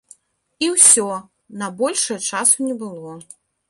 І ўсё, на большае часу не было.